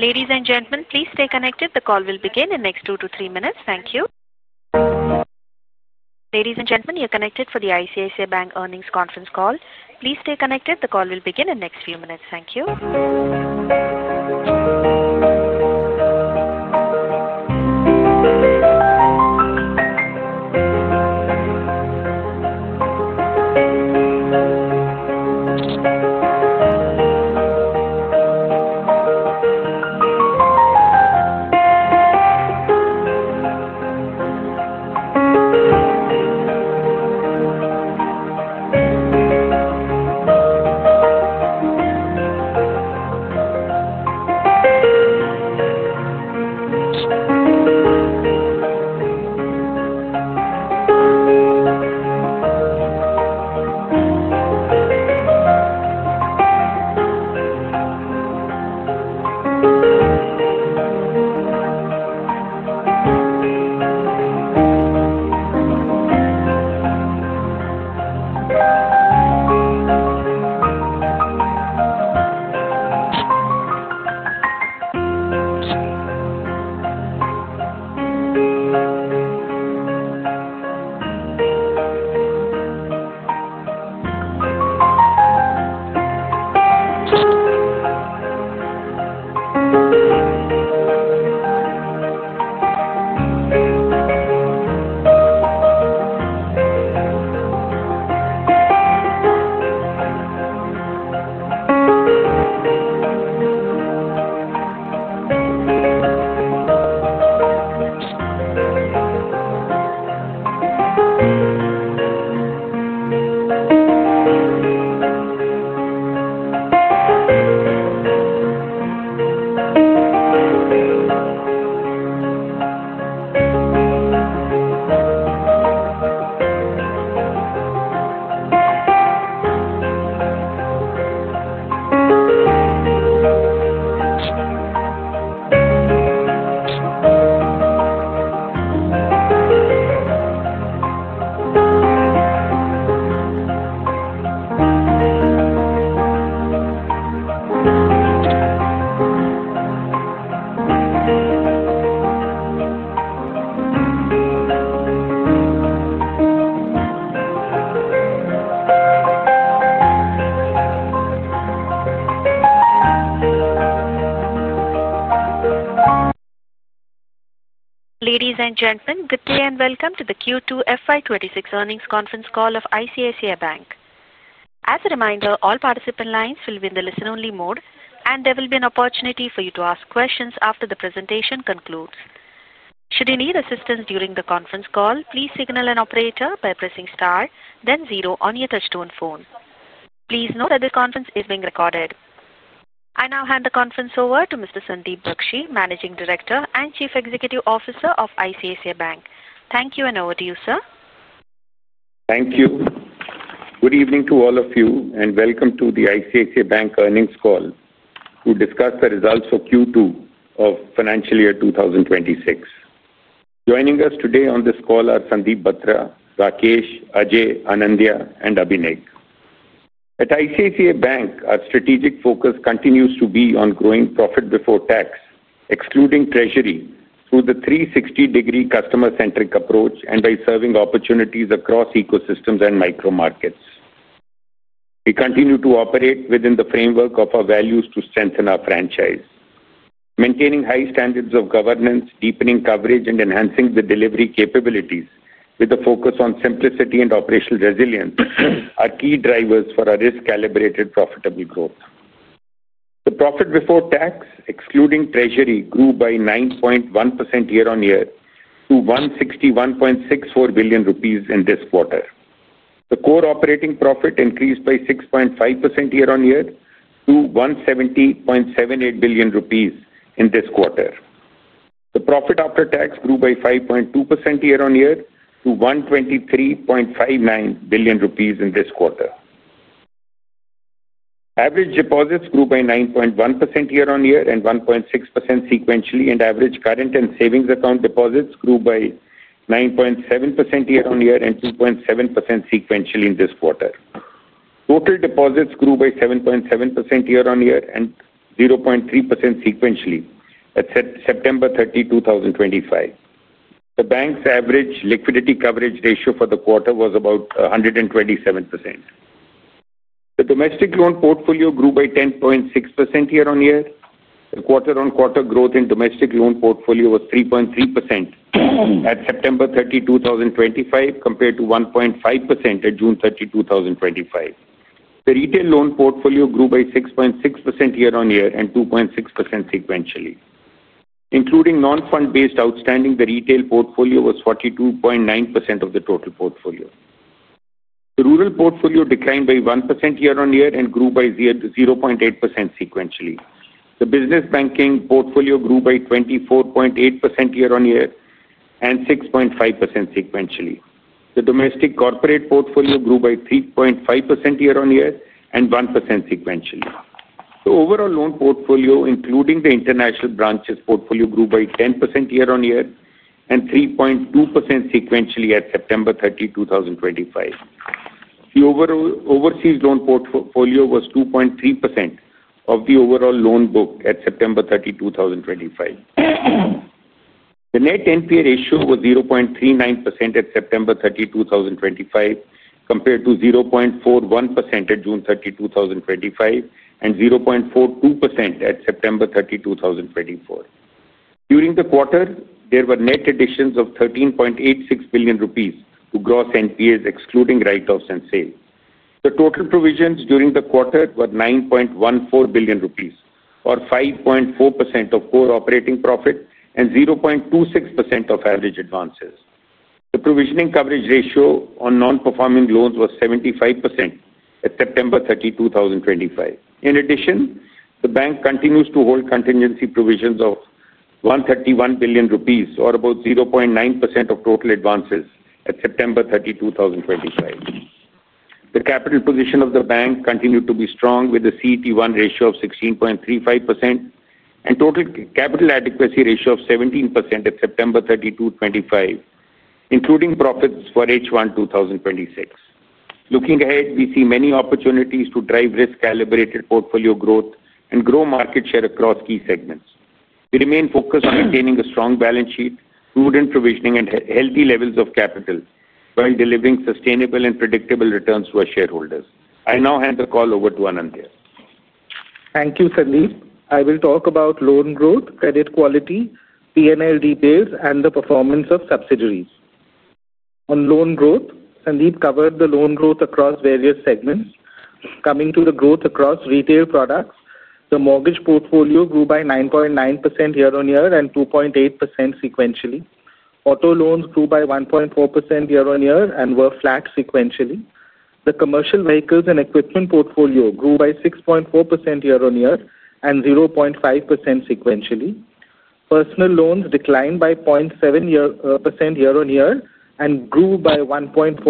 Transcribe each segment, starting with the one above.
Ladies and gentlemen, please stay connected. The call will begin in the next two to three minutes. Thank you. Ladies and gentlemen, you're connected for the ICICI Bank earnings conference call. Please stay connected. The call will begin in the next few minutes. Thank you. Ladies and gentlemen, good day and welcome to the Q2 FY 2026 earnings conference call of ICICI Bank. As a reminder, all participant lines will be in the listen-only mode, and there will be an opportunity for you to ask questions after the presentation concludes. Should you need assistance during the conference call, please signal an operator by pressing star, then zero on your touch-tone phone. Please note that the conference is being recorded. I now hand the conference over to Mr. Sandeep Bakhshi, Managing Director and Chief Executive Officer of ICICI Bank. Thank you and over to you, sir. Thank you. Good evening to all of you and welcome to the ICICI Bank earnings call to discuss the results for Q2 of financial year 2026. Joining us today on this call are Sandeep, Rakesh, Ajay, Anindya, and Abhishek. At ICICI Bank, our strategic focus continues to be on growing profit before tax, excluding treasury, through the 360-degree customer-centric approach and by serving opportunities across ecosystems and micro markets. We continue to operate within the framework of our values to strengthen our franchise. Maintaining high standards of governance, deepening coverage, and enhancing the delivery capabilities with a focus on simplicity and operational resilience are key drivers for our risk-calibrated profitable growth. The profit before tax, excluding treasury, grew by 9.1% year-on-year to 161.64 billion rupees in this quarter. The core operating profit increased by 6.5% year-on-year to 170.78 billion rupees in this quarter. The profit after tax grew by 5.2% year-on-year to 123.59 billion rupees in this quarter. Average deposits grew by 9.1% year-on-year and 1.6% sequentially, and average current and savings account deposits grew by 9.7% year-on-year and 2.7% sequentially in this quarter. Total deposits grew by 7.7% year-on-year and 0.3% sequentially at September 30, 2025. The bank's average liquidity coverage ratio for the quarter was about 127%. The domestic loan portfolio grew by 10.6% year-on-year. The quarter-on-quarter growth in domestic loan portfolio was 3.3% at September 30, 2025, compared to 1.5% at June 30, 2025. The retail loan portfolio grew by 6.6% year-on-year and 2.6% sequentially. Including non-fund-based outstanding, the retail portfolio was 42.9% of the total portfolio. The rural portfolio declined by 1% year-on-year and grew by 0.8% sequentially. The business banking portfolio grew by 24.8% year-on-year and 6.5% sequentially. The domestic corporate portfolio grew by 3.5% year-on-year and 1% sequentially. The overall loan portfolio, including the international branches' portfolio, grew by 10% year-on-year and 3.2% sequentially at September 30, 2025. The overseas loan portfolio was 2.3% of the overall loan book at September 30, 2025. The net NPA ratio was 0.39% at September 30, 2025, compared to 0.41% at June 30, 2025, and 0.42% at September 30, 2024. During the quarter, there were net additions of 13.86 billion rupees to gross NPAs, excluding write-offs and sales. The total provisions during the quarter were 9.14 billion rupees, or 5.4% of core operating profit and 0.26% of average advances. The provisioning coverage ratio on non-performing loans was 75% at September 30, 2025. In addition, the bank continues to hold contingency provisions of 131 billion rupees, or about 0.9% of total advances at September 30, 2025. The capital position of the bank continued to be strong with a CET1 ratio of 16.35% and a total capital adequacy ratio of 17% at September 30, 2025, including profits for H1 2026. Looking ahead, we see many opportunities to drive risk-calibrated portfolio growth and grow market share across key segments. We remain focused on maintaining a strong balance sheet, prudent provisioning, and healthy levels of capital while delivering sustainable and predictable returns to our shareholders. I now hand the call over to Anindya. Thank you, Sandeep. I will talk about loan growth, credit quality, P&L details, and the performance of subsidiaries. On loan growth, Sandeep covered the loan growth across various segments. Coming to the growth across retail products, the mortgage portfolio grew by 9.9% year-on-year and 2.8% sequentially. Auto loans grew by 1.4% year-on-year and were flat sequentially. The commercial vehicles and equipment portfolio grew by 6.4% year-on-year and 0.5% sequentially. Personal loans declined by 0.7% year-on-year and grew by 1.4%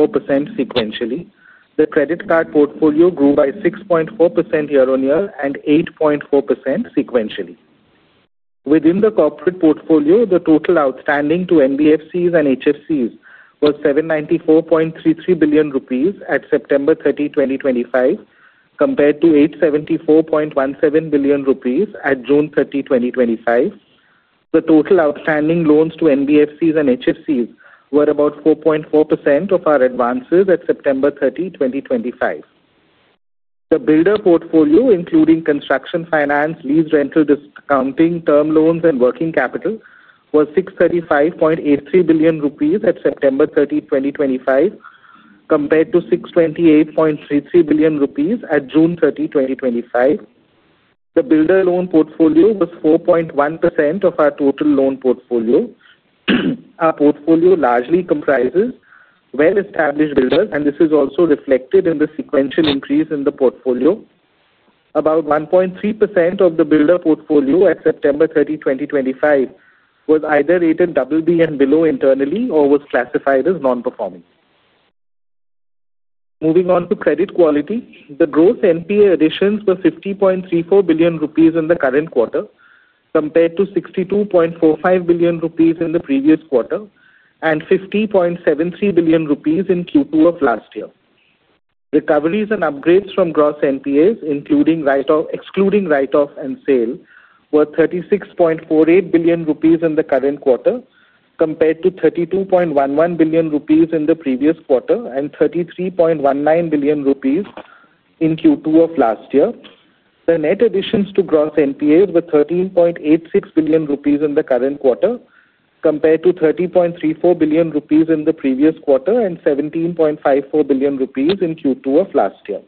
sequentially. The credit card portfolio grew by 6.4% year-on-year and 8.4% sequentially. Within the corporate portfolio, the total outstanding to NBFCs and HFCs was 794.33 billion rupees at September 30, 2025, compared to 874.17 billion rupees at June 30, 2025. The total outstanding loans to NBFCs and HFCs were about 4.4% of our advances at September 30, 2025. The builder portfolio, including construction finance, lease rental discounting, term loans, and working capital, was 635.83 billion rupees at September 30, 2025, compared to 628.33 billion rupees at June 30, 2025. The builder loan portfolio was 4.1% of our total loan portfolio. Our portfolio largely comprises well-established builders, and this is also reflected in the sequential increase in the portfolio. About 1.3% of the builder portfolio at September 30, 2025 was either rated BB and below internally or was classified as non-performing. Moving on to credit quality, the gross NPA additions were 50.34 billion rupees in the current quarter compared to 62.45 billion rupees in the previous quarter and 50.73 billion rupees in Q2 of last year. Recoveries and upgrades from gross NPAs, excluding write-off and sale, were 36.48 billion rupees in the current quarter compared to 32.11 billion rupees in the previous quarter and 33.19 billion rupees in Q2 of last year. The net additions to gross NPAs were 13.86 billion rupees in the current quarter compared to 30.34 billion rupees in the previous quarter and 17.54 billion rupees in Q2 of last year.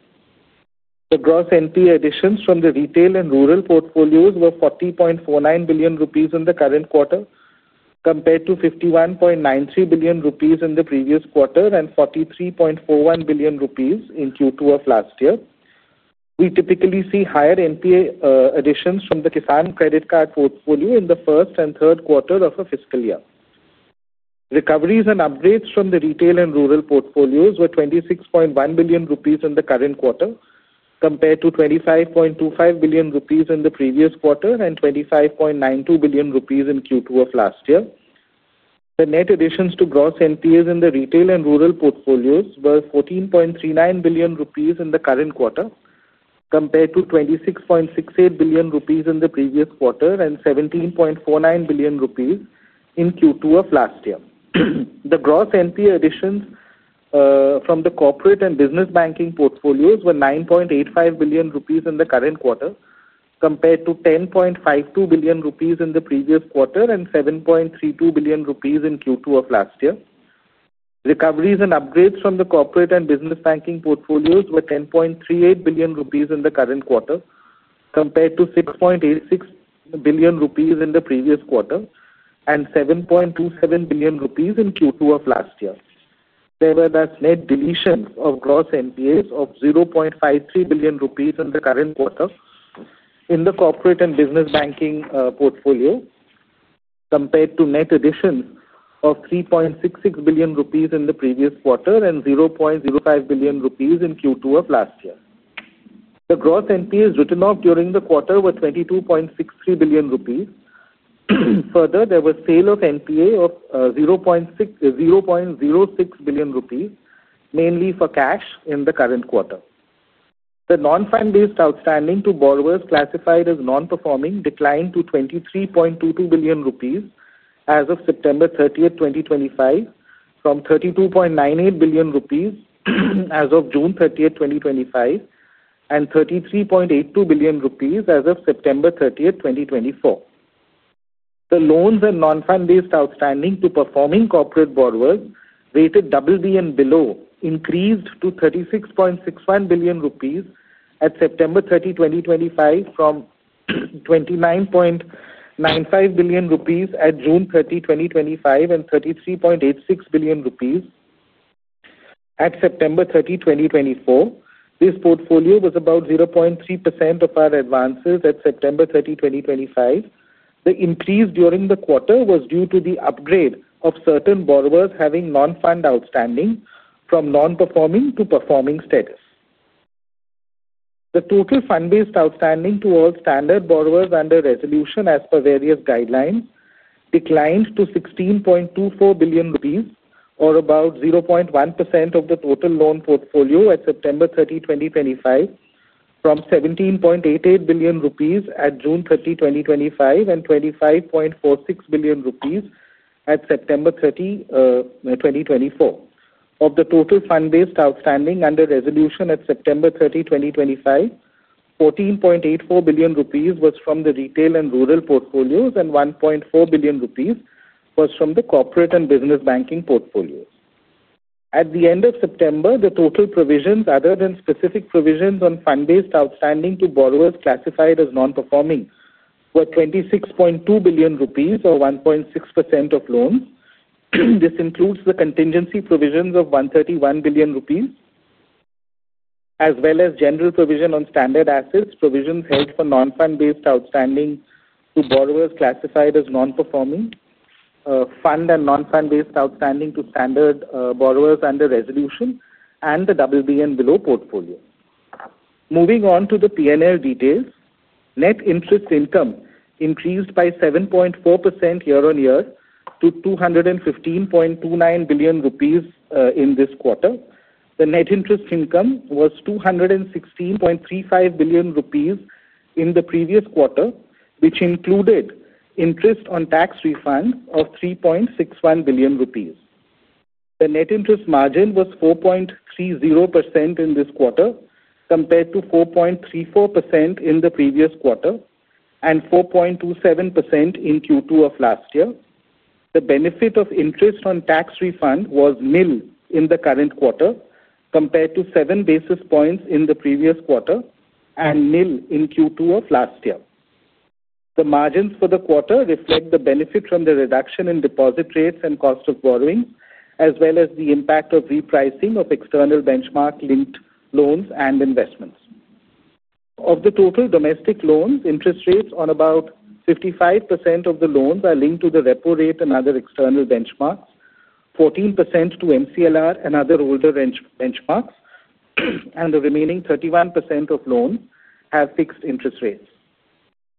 The gross NPA additions from the retail and rural portfolios were 40.49 billion rupees in the current quarter compared to 51.93 billion rupees in the previous quarter and 43.41 billion rupees in Q2 of last year. We typically see higher NPA additions from the Kisan credit card portfolio in the first and third quarter of a fiscal year. Recoveries and upgrades from the retail and rural portfolios were 26.1 billion rupees in the current quarter compared to 25.25 billion rupees in the previous quarter and 25.92 billion rupees in Q2 of last year. The net additions to gross NPAs in the retail and rural portfolios were 14.39 billion rupees in the current quarter compared to 26.68 billion rupees in the previous quarter and 17.49 billion rupees in Q2 of last year. The gross NPA additions from the corporate and business banking portfolios were 9.85 billion rupees in the current quarter compared to 10.52 billion rupees in the previous quarter and 7.32 billion rupees in Q2 of last year. Recoveries and upgrades from the corporate and business banking portfolios were 10.38 billion rupees in the current quarter compared to 6.86 billion rupees in the previous quarter and 7.27 billion rupees in Q2 of last year. There were net deletions of gross NPAs of 0.53 billion rupees in the current quarter in the corporate and business banking portfolio compared to net additions of 3.66 billion rupees in the previous quarter and 0.05 billion rupees in Q2 of last year. The gross NPAs written off during the quarter were 22.63 billion rupees. Further, there was sale of NPA of 0.06 billion rupees, mainly for cash in the current quarter. The non-fund-based outstanding to borrowers classified as non-performing declined to 23.22 billion rupees as of September 30, 2025, from 32.98 billion rupees as of June 30, 2025, and 33.82 billion rupees as of September 30, 2024. The loans and non-fund-based outstanding to performing corporate borrowers rated BB and below increased to 36.61 billion rupees at September 30, 2025, from 29.95 billion rupees at June 30, 2025, and 33.86 billion rupees at September 30, 2024. This portfolio was about 0.3% of our advances at September 30, 2025. The increase during the quarter was due to the upgrade of certain borrowers having non-fund outstanding from non-performing to performing status. The total fund-based outstanding towards standard borrowers under resolution as per various guidelines declined to 16.24 billion rupees, or about 0.1% of the total loan portfolio at September 30, 2025, from 17.88 billion rupees at June 30, 2025, and 25.46 billion rupees at September 30, 2024. Of the total fund-based outstanding under resolution at September 30, 2025, 14.84 billion rupees was from the retail and rural portfolios, and 1.4 billion rupees was from the corporate and business banking portfolios. At the end of September, the total provisions, other than specific provisions on fund-based outstanding to borrowers classified as non-performing, were 26.2 billion rupees, or 1.6% of loans. This includes the contingency provisions of 131 billion rupees, as well as general provision on standard assets, provisions held for non-fund-based outstanding to borrowers classified as non-performing, fund and non-fund-based outstanding to standard borrowers under resolution, and the BB and below portfolio. Moving on to the P&L details, net interest income increased by 7.4% year-on-year to 215.29 billion rupees in this quarter. The net interest income was 216.35 billion rupees in the previous quarter, which included interest on tax refund of 3.61 billion rupees. The net interest margin was 4.30% in this quarter compared to 4.34% in the previous quarter and 4.27% in Q2 of last year. The benefit of interest on tax refund was nil in the current quarter compared to seven basis points in the previous quarter and nil in Q2 of last year. The margins for the quarter reflect the benefit from the reduction in deposit rates and cost of borrowings, as well as the impact of repricing of external benchmark-linked loans and investments. Of the total domestic loans, interest rates on about 55% of the loans are linked to the repo rate and other external benchmarks, 14% to MCLR and other older benchmarks, and the remaining 31% of loans have fixed interest rates.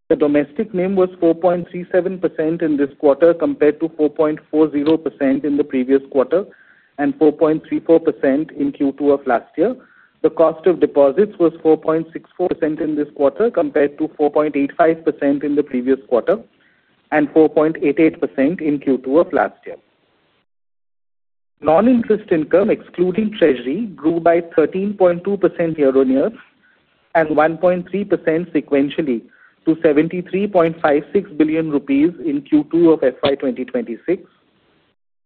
The domestic NIM was 4.37% in this quarter compared to 4.40% in the previous quarter and 4.34% in Q2 of last year. The cost of deposits was 4.64% in this quarter compared to 4.85% in the previous quarter and 4.88% in Q2 of last year. Non-interest income, excluding treasury, grew by 13.2% year-on-year and 1.3% sequentially to 73.56 billion rupees in Q2 of FY 2026.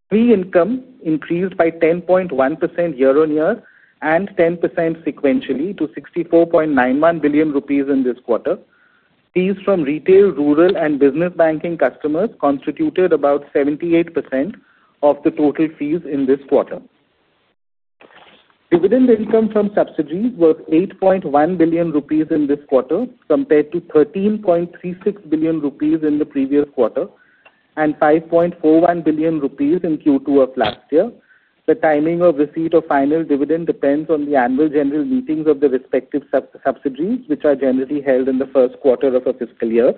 Free income increased by 10.1% year-on-year and 10% sequentially to 64.91 billion rupees in this quarter. Fees from retail, rural, and business banking customers constituted about 78% of the total fees in this quarter. Dividend income from subsidiaries was 8.1 billion rupees in this quarter compared to 13.36 billion rupees in the previous quarter and 5.41 billion rupees in Q2 of last year. The timing of receipt of final dividend depends on the annual general meetings of the respective subsidiaries, which are generally held in the first quarter of a fiscal year.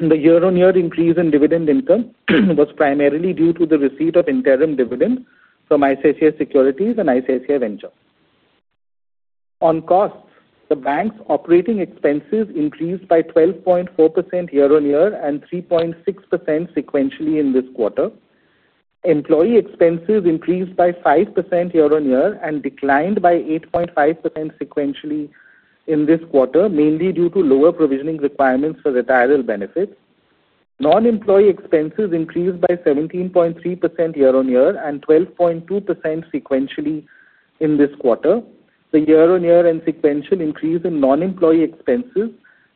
The year-on-year increase in dividend income was primarily due to the receipt of interim dividends from ICICI Securities and ICICI Ventures. On costs, the bank's operating expenses increased by 12.4% year-on-year and 3.6% sequentially in this quarter. Employee expenses increased by 5% year-on-year and declined by 8.5% sequentially in this quarter, mainly due to lower provisioning requirements for retirement benefits. Non-employee expenses increased by 17.3% year-on-year and 12.2% sequentially in this quarter. The year-on-year and sequential increase in non-employee expenses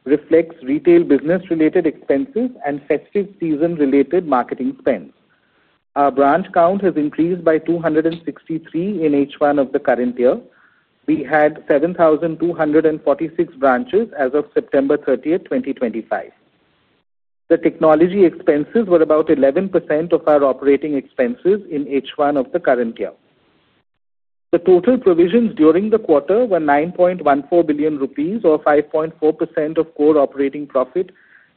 reflects retail business-related expenses and festive season-related marketing spends. Our branch count has increased by 263 in H1 of the current year. We had 7,246 branches as of September 30, 2025. The technology expenses were about 11% of our operating expenses in H1 of the current year. The total provisions during the quarter were 9.14 billion rupees, or 5.4% of core operating profit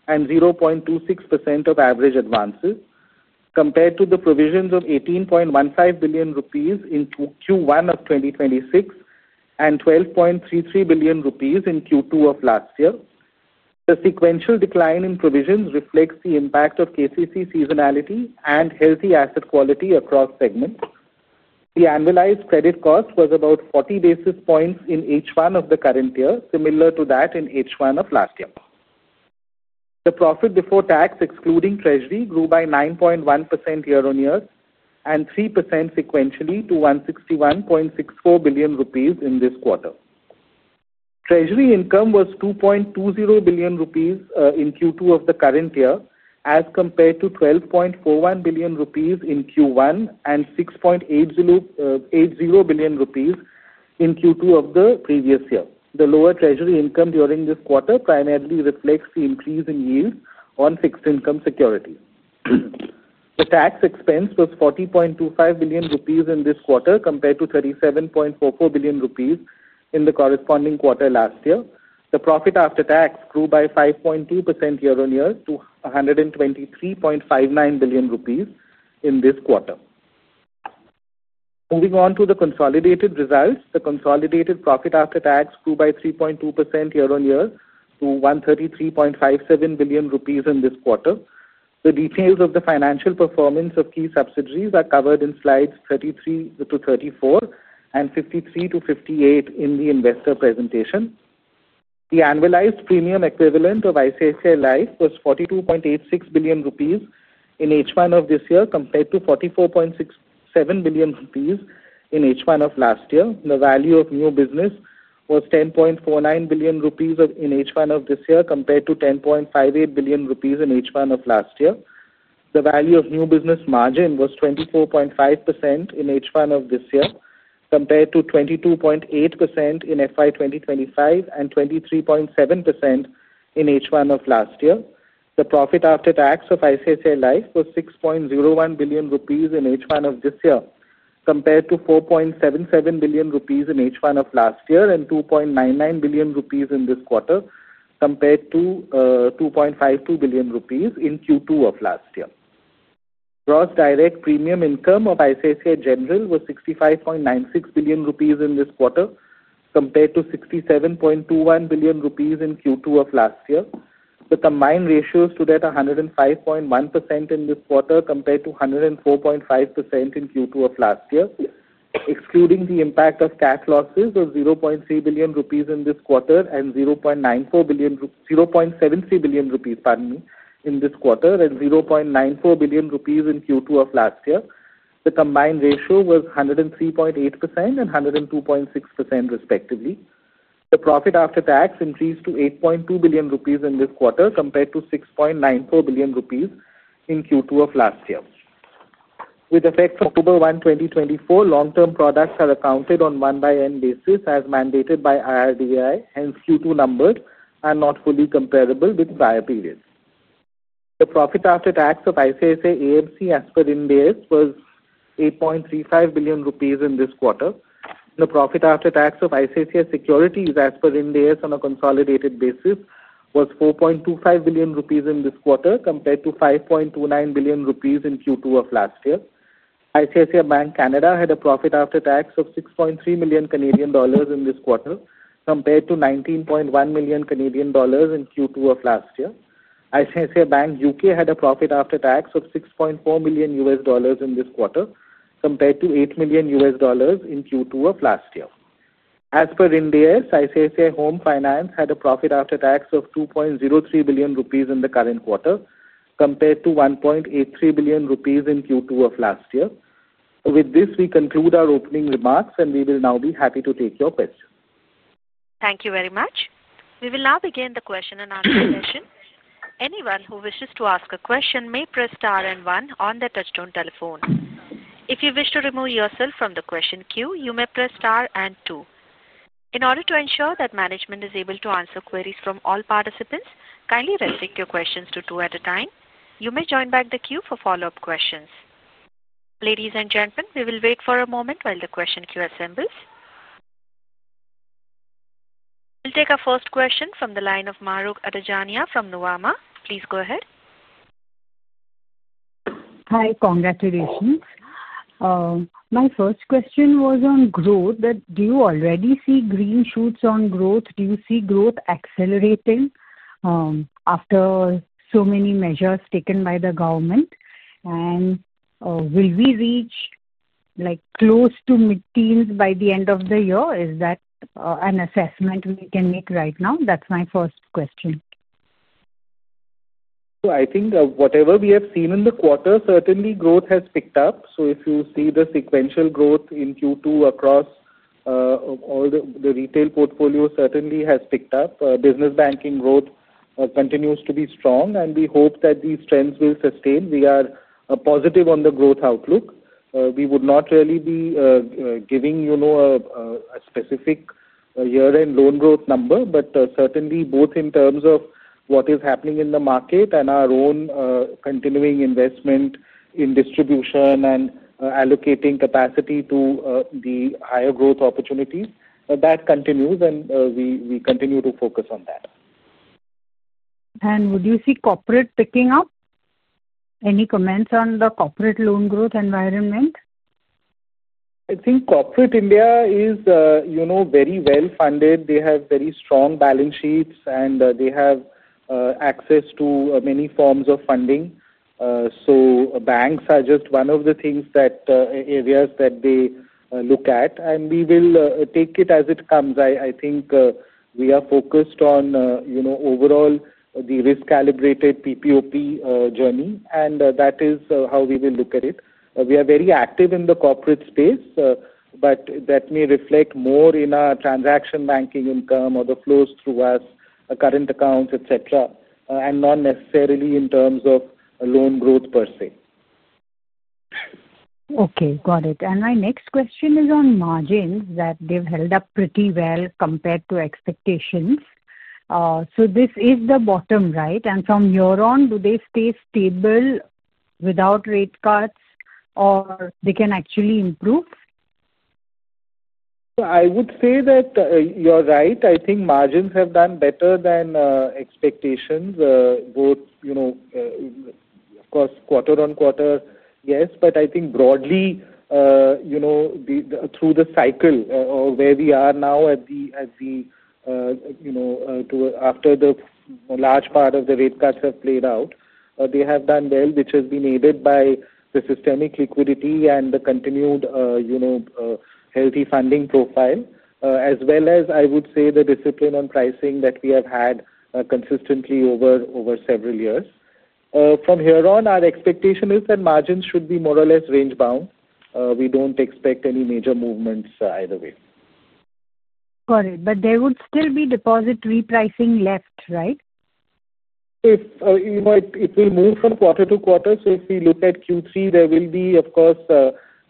and 0.26% of average advances, compared to the provisions of 18.15 billion rupees in Q1 of 2026 and 12.33 billion rupees in Q2 of last year. The sequential decline in provisions reflects the impact of KCC seasonality and healthy asset quality across segments. The annualized credit cost was about 40 bps in H1 of the current year, similar to that in H1 of last year. The profit before tax, excluding treasury, grew by 9.1% year-on-year and 3% sequentially to 161.64 billion rupees in this quarter. Treasury income was 2.20 billion rupees in Q2 of the current year as compared to 12.41 billion rupees in Q1 and 6.80 billion rupees in Q2 of the previous year. The lower treasury income during this quarter primarily reflects the increase in yield on fixed income securities. The tax expense was 40.25 billion rupees in this quarter compared to 37.44 billion rupees in the corresponding quarter last year. The profit after tax grew by 5.2% year-on-year to INR 123.59 billion in this quarter. Moving on to the consolidated results, the consolidated profit after tax grew by 3.2% year-on-year to 133.57 billion rupees in this quarter. The details of the financial performance of key subsidiaries are covered in slides 33 to 34 and 53 to 58 in the investor presentation. The annualized premium equivalent of ICICI Prudential Life Insurance was 42.86 billion rupees in H1 of this year compared to 44.67 billion rupees in H1 of last year. The value of new business was 10.49 billion rupees in H1 of this year compared to 10.58 billion rupees in H1 of last year. The value of new business margin was 24.5% in H1 of this year compared to 22.8% in FY 2025 and 23.7% in H1 of last year. The profit after tax of ICICI Prudential Life Insurance was 6.01 billion rupees in H1 of this year compared to 4.77 billion rupees in H1 of last year and 2.99 billion rupees in this quarter compared to 2.52 billion rupees in Q2 of last year. Gross direct premium income of ICICI Lombard General Insurance was 65.96 billion rupees in this quarter compared to 67.21 billion rupees in Q2 of last year. The combined ratios to that are 105.1% in this quarter compared to 104.5% in Q2 of last year. Excluding the impact of cash losses of 0.93 billion rupees in this quarter and 0.94 billion in Q2 of last year, the combined ratio was 103.8% and 102.6% respectively. The profit after tax increased to 8.2 billion rupees in this quarter compared to 6.94 billion rupees in Q2 of last year. With effect on October 1, 2024, long-term products are accounted on one-by-end basis as mandated by IRDA, hence Q2 numbers are not fully comparable with prior periods. The profit after tax of ICICI AMC as per NBS was 8.35 billion rupees in this quarter. The profit after tax of ICICI Securities as per NBS on a consolidated basis was 4.25 billion rupees in this quarter compared to 5.29 billion rupees in Q2 of last year. ICICI Bank Canada had a profit after tax of 6.3 million Canadian dollars in this quarter compared to 19.1 million Canadian dollars in Q2 of last year. ICICI Bank UK had a profit after tax of 6.4 million US dollars in this quarter compared to 8 million US dollars in Q2 of last year. As per NBS, ICICI Home Finance had a profit after tax of 2.03 billion rupees in the current quarter compared to 1.83 billion rupees in Q2 of last year. With this, we conclude our opening remarks, and we will now be happy to take your questions. Thank you very much. We will now begin the question-and-answer session. Anyone who wishes to ask a question may press star and one on their touch-tone telephone. If you wish to remove yourself from the question queue, you may press star and two. In order to ensure that management is able to answer queries from all participants, kindly restrict your questions to two at a time. You may join back the queue for follow-up questions. Ladies and gentlemen, we will wait for a moment while the question queue assembles. We'll take our first question from the line of Mahrukh Adajania from Nuvama Wealth Management Limited. Please go ahead. Hi, congratulations. My first question was on growth. Do you already see green shoots on growth? Do you see growth accelerating after so many measures taken by the government? Will we reach like close to mid-teens by the end of the year? Is that an assessment we can make right now? That's my first question. I think whatever we have seen in the quarter, certainly growth has picked up. If you see the sequential growth in Q2 across all the retail portfolios, it certainly has picked up. Business banking growth continues to be strong, and we hope that these trends will sustain. We are positive on the growth outlook. We would not really be giving a specific year-end loan growth number, but certainly both in terms of what is happening in the market and our own continuing investment in distribution and allocating capacity to the higher growth opportunities, that continues, and we continue to focus on that. Would you see corporate picking up? Any comments on the corporate loan growth environment? I think corporate India is very well funded. They have very strong balance sheets, and they have access to many forms of funding. Banks are just one of the areas that they look at, and we will take it as it comes. I think we are focused on overall the risk-calibrated PPOP journey, and that is how we will look at it. We are very active in the corporate space, but that may reflect more in our transaction banking income or the flows through us, current accounts, etc., and not necessarily in terms of loan growth per se. Okay, got it. My next question is on margins that they've held up pretty well compared to expectations. This is the bottom, right? From here on, do they stay stable without rate cuts, or can they actually improve? I would say that you're right. I think margins have done better than expectations, both, you know, of course, quarter on quarter, yes, but I think broadly, you know, through the cycle or where we are now at the, you know, after the large part of the rate cuts have played out, they have done well, which has been aided by the systemic liquidity and the continued, you know, healthy funding profile, as well as I would say the discipline on pricing that we have had consistently over several years. From here on, our expectation is that margins should be more or less range-bound. We don't expect any major movements either way. Got it. There would still be deposit repricing left, right? It will move from quarter to quarter. If we look at Q3, there will be, of course,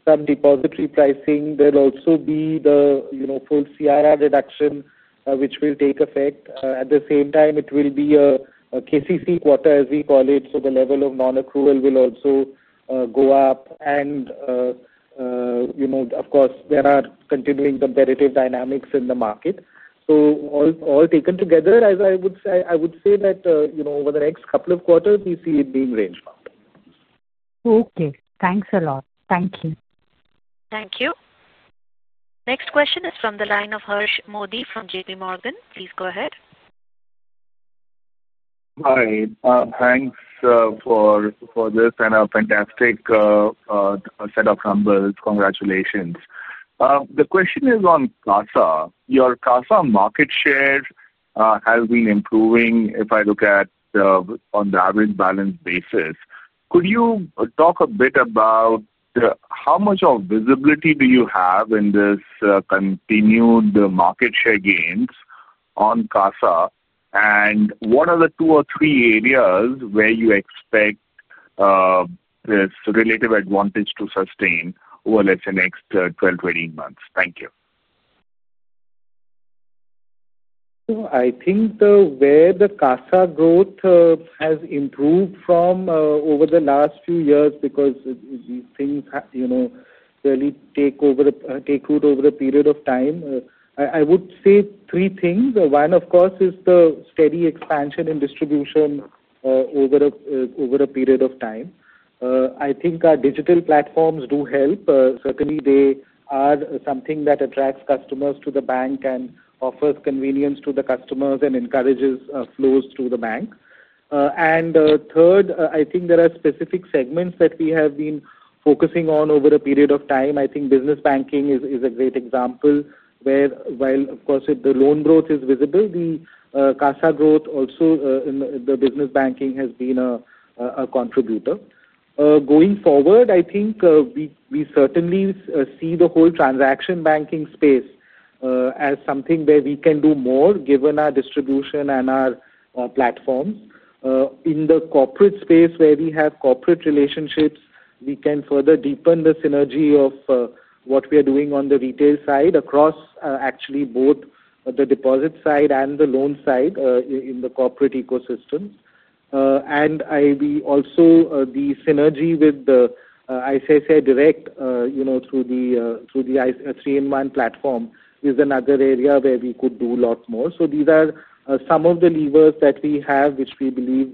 some deposit repricing. There'll also be the full CIR reduction, which will take effect. At the same time, it will be a KCC quarter, as we call it. The level of non-accrual will also go up. There are continuing competitive dynamics in the market. All taken together, I would say that over the next couple of quarters, we see it being rangebound. Okay, thanks a lot. Thank you. Thank you. Next question is from the line of Harsh Modi from JPMorgan. Please go ahead. Hi. Thanks for this and a fantastic set of numbers. Congratulations. The question is on Kasa. Your Kasa market share has been improving if I look at on the average balance basis. Could you talk a bit about how much visibility do you have in this continued market share gains on Kasa, and what are the two or three areas where you expect this relative advantage to sustain over, let's say, the next 12-18 months? Thank you. I think the way the Kasa growth has improved over the last few years is because these things really take root over a period of time. I would say three things. One, of course, is the steady expansion in distribution over a period of time. I think our digital platforms do help. Certainly, they are something that attracts customers to the bank and offers convenience to the customers and encourages flows through the bank. Third, I think there are specific segments that we have been focusing on over a period of time. I think business banking is a great example where, while the loan growth is visible, the Kasa growth also in the business banking has been a contributor. Going forward, I think we certainly see the whole transaction banking space as something where we can do more given our distribution and our platforms. In the corporate space where we have corporate relationships, we can further deepen the synergy of what we are doing on the retail side across both the deposit side and the loan side in the corporate ecosystem. We also, the synergy with the ICICI Direct, through the three-in-one platform, is another area where we could do a lot more. These are some of the levers that we have, which we believe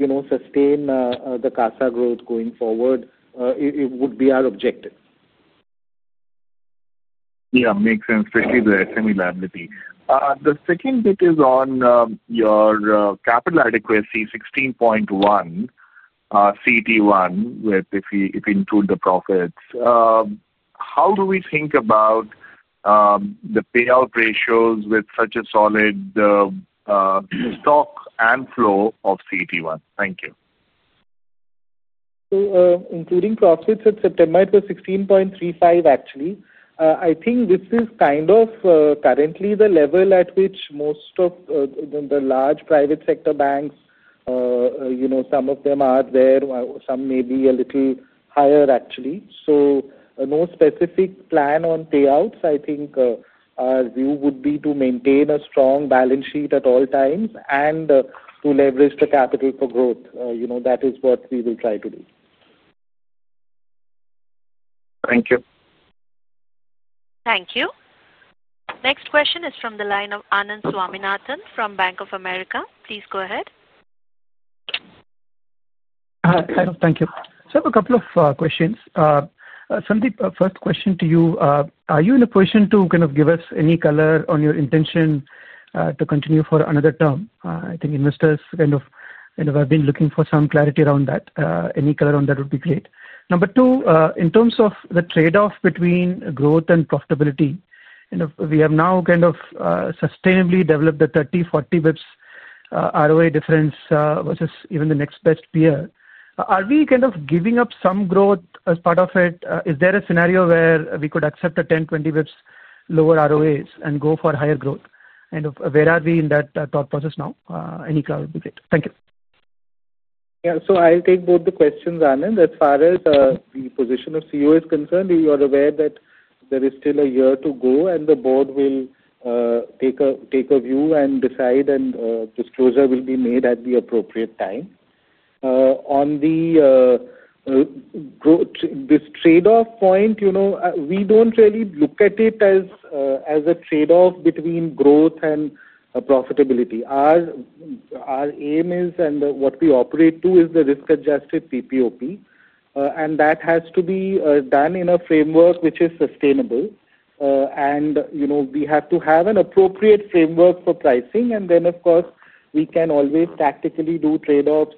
will sustain the Kasa growth going forward. It would be our objective. Yeah, makes sense, especially the SME liability. The second bit is on your capital adequacy, 16.1% CET1, if we include the profits. How do we think about the payout ratios with such a solid stock and flow of CET1? Thank you. Including profits at September, it was 16.35, actually. I think this is kind of currently the level at which most of the large private sector banks, you know, some of them are there, some may be a little higher, actually. No specific plan on payouts. I think our view would be to maintain a strong balance sheet at all times and to leverage the capital for growth. That is what we will try to do. Thank you. Thank you. Next question is from the line of Anand Swaminathan from Bank of America. Please go ahead. Thank you. I have a couple of questions. Sandeep, first question to you. Are you in a position to give us any color on your intention to continue for another term? I think investors have been looking for some clarity around that. Any color on that would be great. Number two, in terms of the trade-off between growth and profitability, we have now sustainably developed the 30-40 bps ROA difference versus even the next best peer. Are we giving up some growth as part of it? Is there a scenario where we could accept the 10-20 bps lower ROAs and go for higher growth? Where are we in that thought process now? Any color would be great. Thank you. Yeah, so I'll take both the questions, Anand. As far as the position of CEO is concerned, you are aware that there is still a year to go, and the board will take a view and decide, and disclosure will be made at the appropriate time. On this trade-off point, we don't really look at it as a trade-off between growth and profitability. Our aim is, and what we operate to is the risk-adjusted PPOP, and that has to be done in a framework which is sustainable. We have to have an appropriate framework for pricing. Of course, we can always tactically do trade-offs,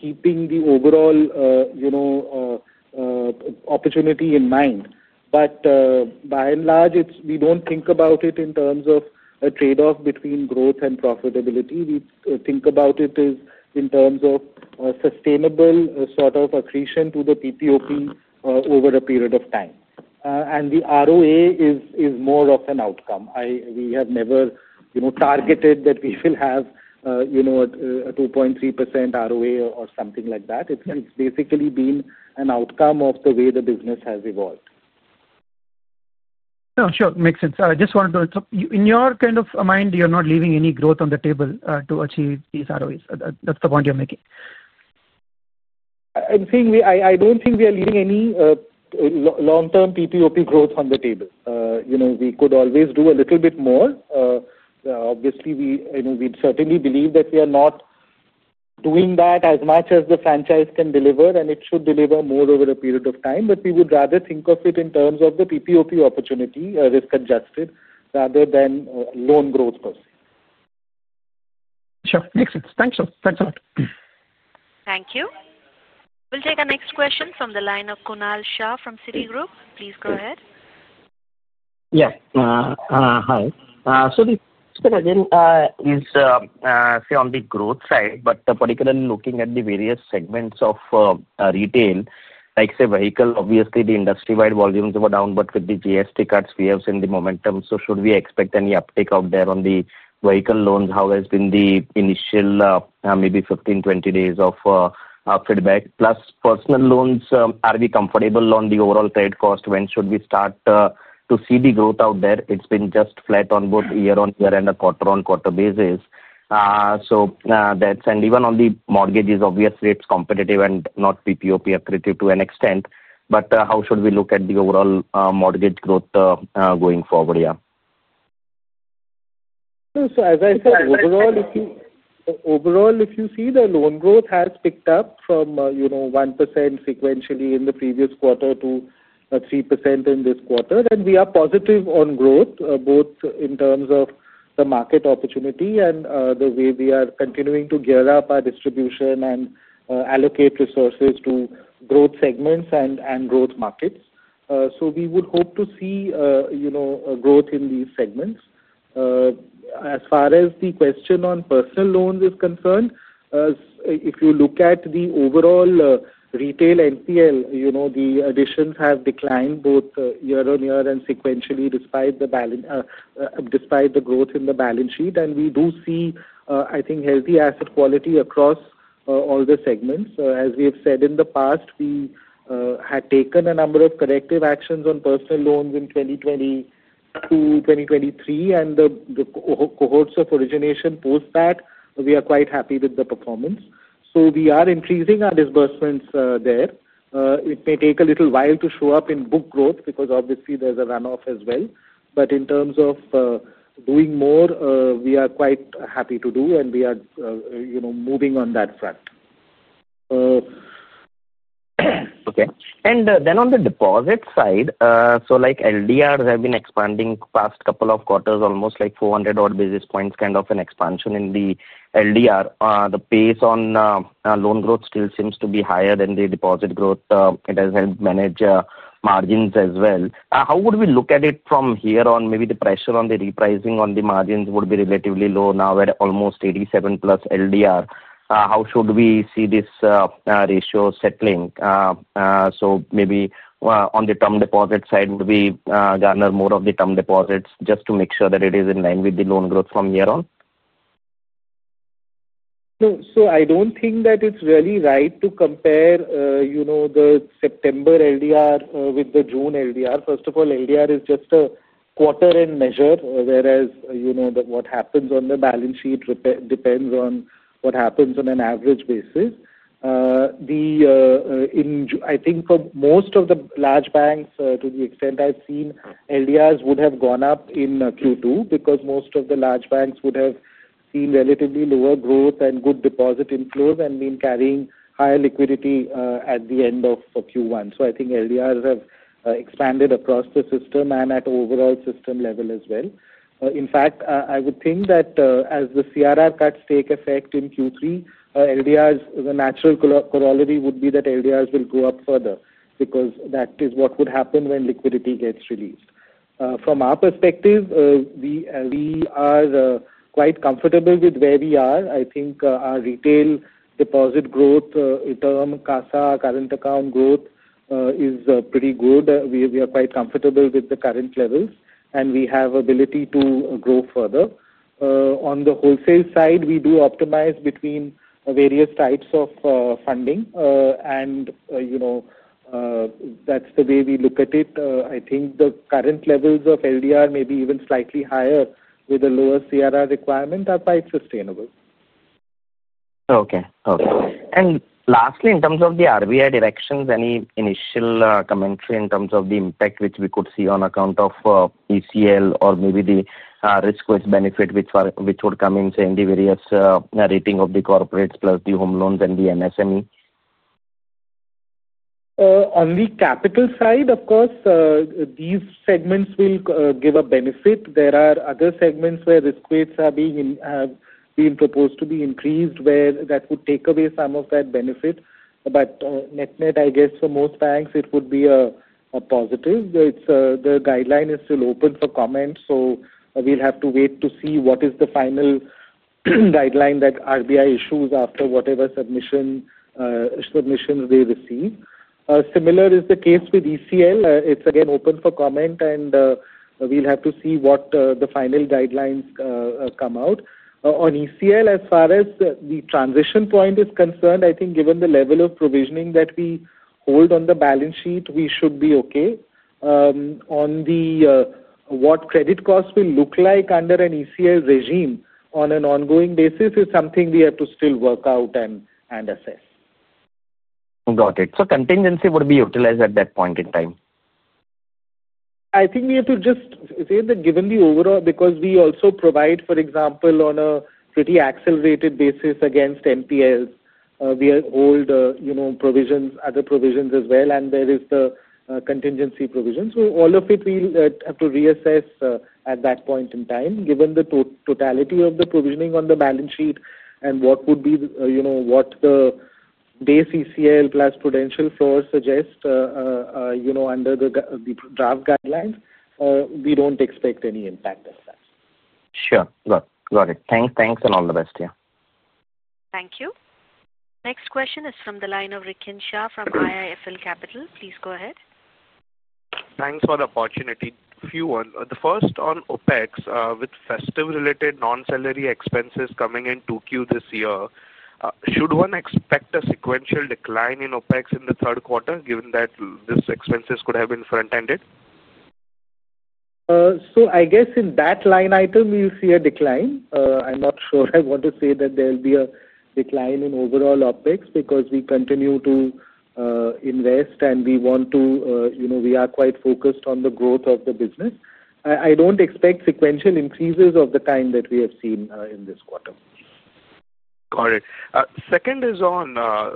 keeping the overall opportunity in mind. By and large, we don't think about it in terms of a trade-off between growth and profitability. We think about it in terms of a sustainable sort of accretion to the PPOP over a period of time. The ROA is more of an outcome. We have never targeted that we will have a 2.3% ROA or something like that. It's basically been an outcome of the way the business has evolved. Yeah, sure. Makes sense. I just wanted to, in your kind of mind, you're not leaving any growth on the table to achieve these ROAs. That's the point you're making. I'm saying I don't think we are leaving any long-term PPOP growth on the table. We could always do a little bit more. Obviously, we certainly believe that we are not doing that as much as the franchise can deliver, and it should deliver more over a period of time. We would rather think of it in terms of the PPOP opportunity, risk-adjusted, rather than loan growth per se. Sure. Makes sense. Thanks, sir. Thanks a lot. Thank you. We'll take our next question from the line of Kunal Shah from Citigroup. Please go ahead. Yeah. Hi. The question is, on the growth side, particularly looking at the various segments of retail, like vehicle. Obviously, the industry-wide volumes were down, but with the GST cuts, we have seen the momentum. Should we expect any uptake out there on the vehicle loans? How has been the initial, maybe 15, 20 days of feedback? Plus, personal loans, are we comfortable on the overall trade cost? When should we start to see the growth out there? It's been just flat on both year-on-year and a quarter-on-quarter basis. Even on the mortgages, obviously, it's competitive and not PPOP accretive to an extent. How should we look at the overall mortgage growth going forward? Yeah. As I said, overall, if you see, the loan growth has picked up from 1% sequentially in the previous quarter to 3% in this quarter. We are positive on growth, both in terms of the market opportunity and the way we are continuing to gear up our distribution and allocate resources to growth segments and growth markets. We would hope to see growth in these segments. As far as the question on personal loans is concerned, if you look at the overall retail NPL, the additions have declined both year-on-year and sequentially, despite the growth in the balance sheet. We do see healthy asset quality across all the segments. As we have said in the past, we had taken a number of corrective actions on personal loans in 2022-2023, and the cohorts of origination post that, we are quite happy with the performance. We are increasing our disbursements there. It may take a little while to show up in book growth because, obviously, there's a runoff as well. In terms of doing more, we are quite happy to do, and we are moving on that front. Okay. On the deposit side, LDRs have been expanding the past couple of quarters, almost 400-odd basis points, kind of an expansion in the LDR. The pace on loan growth still seems to be higher than the deposit growth. It has helped manage margins as well. How would we look at it from here on? Maybe the pressure on the repricing on the margins would be relatively low now at almost 87%+ LDR. How should we see this ratio settling? On the term deposit side, would we garner more of the term deposits just to make sure that it is in line with the loan growth from here on? I don't think that it's really right to compare the September LDR with the June LDR. First of all, LDR is just a quarter-end measure, whereas what happens on the balance sheet depends on what happens on an average basis. I think for most of the large banks, to the extent I've seen, LDRs would have gone up in Q2 because most of the large banks would have seen relatively lower growth and good deposit inflows and been carrying higher liquidity at the end of Q1. I think LDRs have expanded across the system and at overall system level as well. In fact, I would think that as the CRR cuts take effect in Q3, the natural corollary would be that LDRs will go up further because that is what would happen when liquidity gets released. From our perspective, we are quite comfortable with where we are. I think our retail deposit growth, interim CASA, current account growth is pretty good. We are quite comfortable with the current levels, and we have the ability to grow further. On the wholesale side, we do optimize between various types of funding, and that's the way we look at it. I think the current levels of LDR, maybe even slightly higher with a lower CRR requirement, are quite sustainable. Okay. Lastly, in terms of the RBI directions, any initial commentary in terms of the impact which we could see on account of ECL or maybe the risk-wise benefit which would come in, say, in the various rating of the corporates plus the home loans and the MSME? On the capital side, of course, these segments will give a benefit. There are other segments where risk weights are being proposed to be increased, where that would take away some of that benefit. Net-net, I guess, for most banks, it would be a positive. The guideline is still open for comments, so we'll have to wait to see what is the final guideline that RBI issues after whatever submissions they receive. Similar is the case with ECL. It's again open for comment, and we'll have to see what the final guidelines come out. On ECL, as far as the transition point is concerned, I think given the level of provisioning that we hold on the balance sheet, we should be okay. On what credit costs will look like under an ECL regime on an ongoing basis is something we have to still work out and assess. Got it. Contingency would be utilized at that point in time? I think we have to just say that given the overall, because we also provide, for example, on a pretty accelerated basis against NPLs, we hold, you know, provisions, other provisions as well, and there is the contingency provision. All of it, we'll have to reassess at that point in time. Given the totality of the provisioning on the balance sheet and what would be, you know, what the base ECL plus prudential floors suggest, you know, under the draft guidelines, we don't expect any impact as such. Sure. Got it. Thanks and all the best here. Thank you. Next question is from the line of Rikin Shah from IIFL Capital. Please go ahead. Thanks for the opportunity. Few one. The first on OpEx, with festive-related non-salary expenses coming in 2Q this year. Should one expect a sequential decline in OpEx in the third quarter, given that these expenses could have been front-ended? In that line item, we'll see a decline. I'm not sure I want to say that there'll be a decline in overall OpEx because we continue to invest and we want to, you know, we are quite focused on the growth of the business. I don't expect sequential increases of the kind that we have seen in this quarter. Got it. Second is on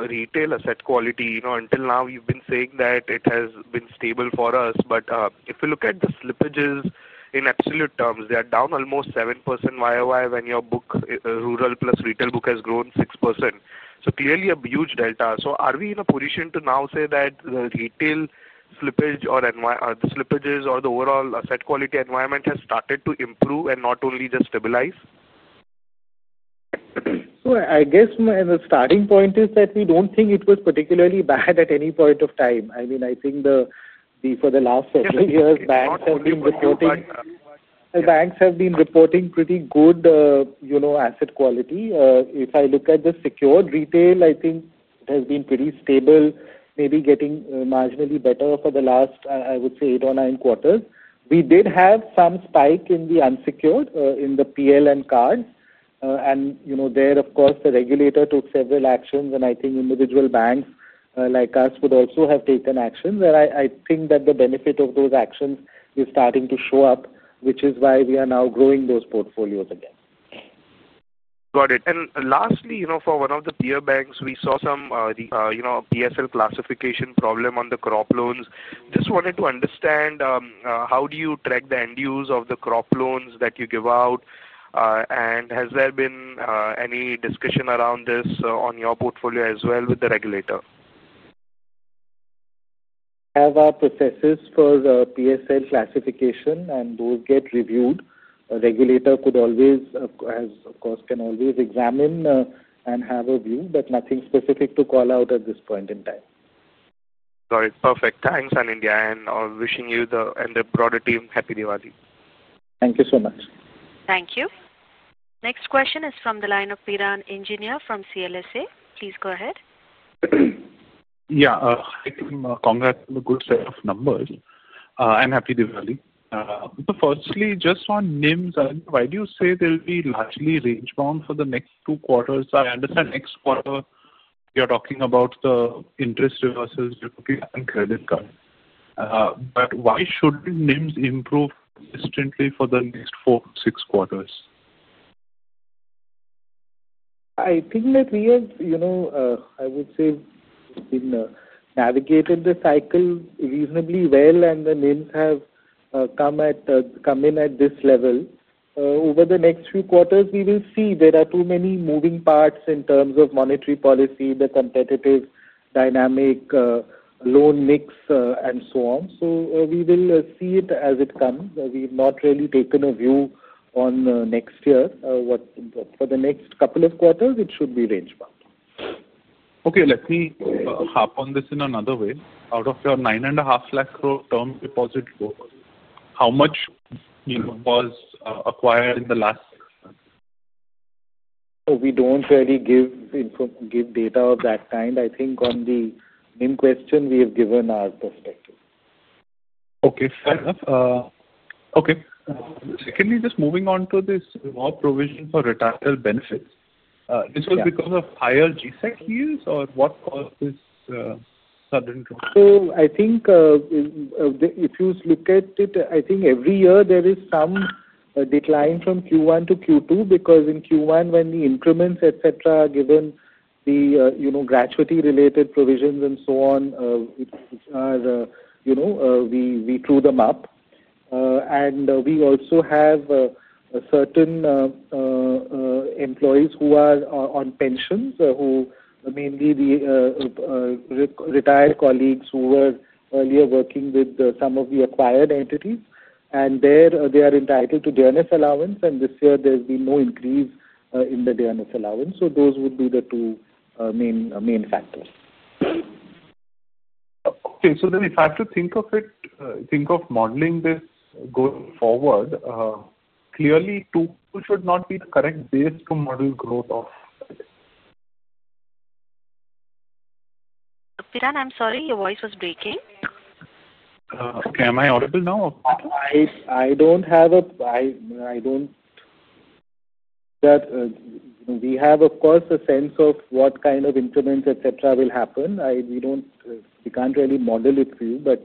retail asset quality. Until now, we've been saying that it has been stable for us, but if we look at the slippages in absolute terms, they are down almost 7% year-over-year when your rural plus retail book has grown 6%. Clearly a huge delta. Are we in a position to now say that the retail slippage or the slippages or the overall asset quality environment has started to improve and not only just stabilize? I guess the starting point is that we don't think it was particularly bad at any point of time. I mean, I think for the last couple of years, banks have been reporting pretty good, you know, asset quality. If I look at the secured retail, I think it has been pretty stable, maybe getting marginally better for the last, I would say, eight or nine quarters. We did have some spike in the unsecured in the PLN cards. You know, there, of course, the regulator took several actions, and I think individual banks like us would also have taken actions. I think that the benefit of those actions is starting to show up, which is why we are now growing those portfolios again. Got it. Lastly, for one of the peer banks, we saw a PSL classification problem on the crop loans. Just wanted to understand, how do you track the end-use of the crop loans that you give out? Has there been any discussion around this on your portfolio as well with the regulator? We have our processes for PSL classification, and those get reviewed. A regulator can always examine and have a view, but nothing specific to call out at this point in time. Got it. Perfect. Thanks, Anindya, and wishing you and the broader team Happy Diwali. Thank you so much. Thank you. Next question is from the line of Piran Engineer from CLSA Limited. Please go ahead. Yeah. Hi, congrats on a good set of numbers and Happy Diwali. Firstly, just on NIMs, why do you say they'll be largely rangebound for the next two quarters? I understand next quarter you're talking about the interest reversals and credit cards. Why shouldn't NIMs improve instantly for the next four to six quarters? I think that we are, I would say we've been navigating the cycle reasonably well, and the NIMs have come in at this level. Over the next few quarters, we will see there are too many moving parts in terms of monetary policy, the competitive dynamic, loan mix, and so on. We will see it as it comes. We've not really taken a view on next year. For the next couple of quarters, it should be rangebound. Okay. Let me harp on this in another way. Out of your 9.5 lakh growth term deposit growth, how much was acquired in the last six months? We don't really give data of that kind. I think on the NIM question, we have given our perspective. Okay. Fair enough. Okay. Secondly, just moving on to this more provision for retirement benefits. This was because of higher GSEC yields or what caused this sudden growth? If you look at it, I think every year there is some decline from Q1 to Q2 because in Q1, when the increments, etc., given the gratuity-related provisions and so on, we threw them up. We also have certain employees who are on pensions, who are mainly the retired colleagues who were earlier working with some of the acquired entities. They are entitled to DNS allowance. This year, there's been no increase in the DNS allowance. Those would be the two main factors. Okay. If I have to think of it, think of modeling this going forward, clearly, two should not be the correct base to model growth of. Piran, I'm sorry. Your voice was breaking. Okay, am I audible now? I don't have a sense of what kind of increments, etc., will happen. We can't really model it for you.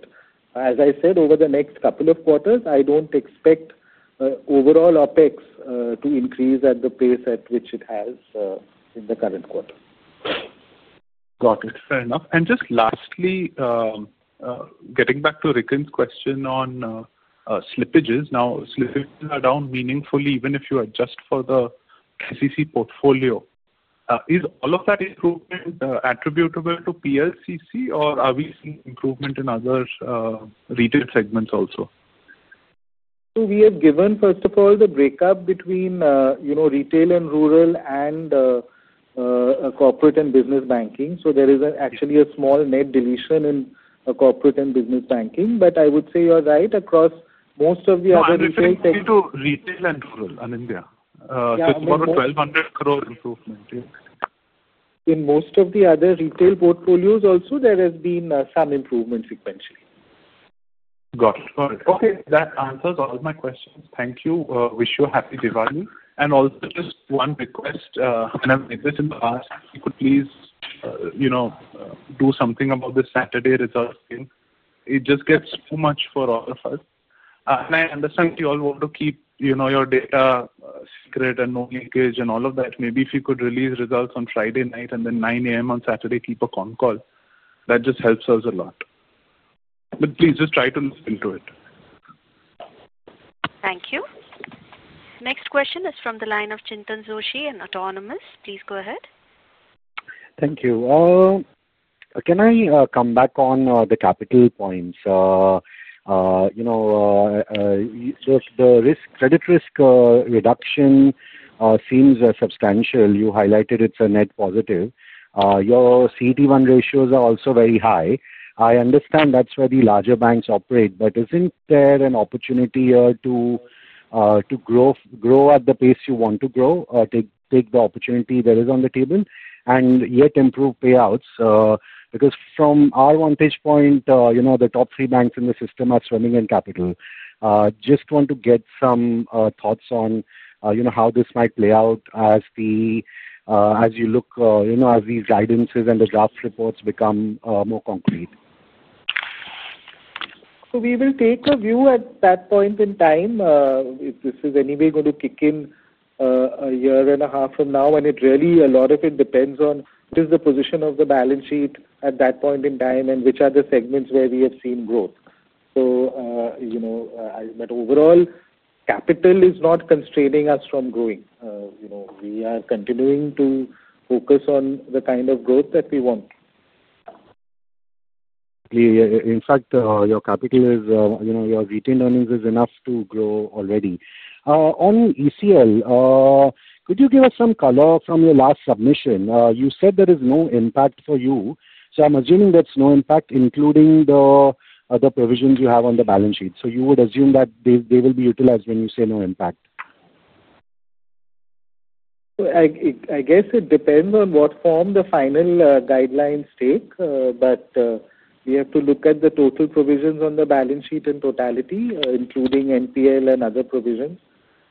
As I said, over the next couple of quarters, I don't expect overall OpEx to increase at the pace at which it has in the current quarter. Got it. Fair enough. Just lastly, getting back to Rikin's question on slippages. Now, slippages are down meaningfully even if you adjust for the SEC portfolio. Is all of that improvement attributable to PLCC, or are we seeing improvement in other retail segments also? We have given, first of all, the breakup between retail and rural and corporate and business banking. There is actually a small net deletion in corporate and business banking. I would say you're right. Across most of the other retail. I'm referring to retail and rural, Anindya. It's more of an 1.2 billion improvement. In most of the other retail portfolios also, there has been some improvement sequentially. Got it. Okay. That answers all my questions. Thank you. Wish you a Happy Diwali. Also, just one request. I've made this in the past. If you could please, you know, do something about the Saturday results thing. It just gets too much for all of us. I understand you all want to keep, you know, your data secret and no leakage and all of that. Maybe if you could release results on Friday night and then 9:00 A.M. on Saturday, keep a con call. That just helps us a lot. Please just try to look into it. Thank you. Next question is from the line of Chintan Joshi in Autonomous. Please go ahead. Thank you. Can I come back on the capital points? The credit risk reduction seems substantial. You highlighted it's a net positive. Your CET1 ratios are also very high. I understand that's where the larger banks operate. Isn't there an opportunity here to grow at the pace you want to grow, take the opportunity there is on the table, and yet improve payouts? From our vantage point, the top three banks in the system are swimming in capital. Just want to get some thoughts on how this might play out as you look, as these guidances and the draft reports become more concrete. We will take a view at that point in time. If this is any way going to kick in a year and a half from now, a lot of it depends on what is the position of the balance sheet at that point in time and which are the segments where we have seen growth. Overall, capital is not constraining us from growing. We are continuing to focus on the kind of growth that we want. In fact, your capital is, you know, your retail earnings is enough to grow already. On ECL, could you give us some color from your last submission? You said there is no impact for you. I'm assuming that's no impact, including the provisions you have on the balance sheet. You would assume that they will be utilized when you say no impact. I guess it depends on what form the final guidelines take, but we have to look at the total provisions on the balance sheet in totality, including NPL and other provisions.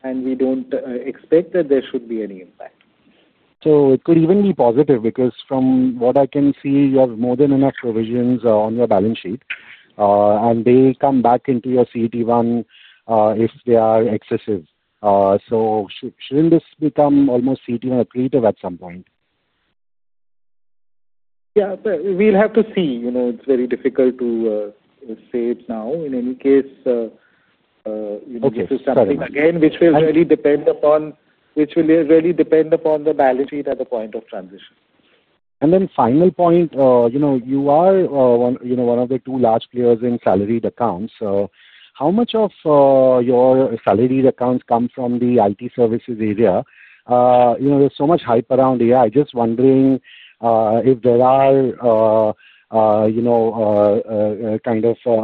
We don't expect that there should be any impact. It could even be positive because from what I can see, you have more than enough provisions on your balance sheet. They come back into your CET1 if they are excessive. Shouldn't this become almost CET1 accretive at some point? Yeah, it's very difficult to say it now. In any case, this is something which will really depend upon the balance sheet at the point of transition. The final point, you are one of the two large players in salaried accounts. How much of your salaried accounts come from the IT services area? There is so much hype around here. I'm just wondering if there are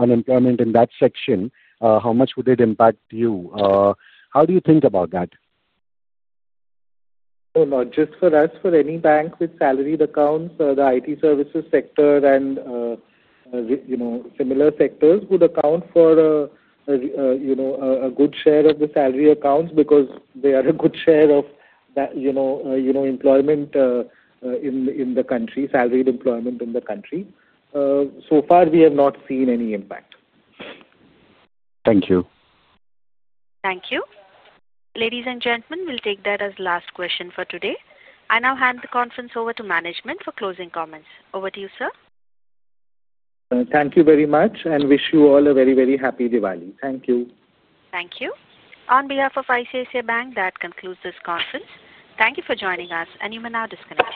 unemployment issues in that section. How much would it impact you? How do you think about that? For any bank with salaried accounts, the IT services sector and similar sectors would account for a good share of the salary accounts because they are a good share of that employment in the country, salaried employment in the country. So far, we have not seen any impact. Thank you. Thank you. Ladies and gentlemen, we'll take that as the last question for today. I now hand the conference over to Management for closing comments. Over to you, sir. Thank you very much, and wish you all a very, very Happy Diwali. Thank you. Thank you. On behalf of ICICI Bank, that concludes this conference. Thank you for joining us, and you may now disconnect.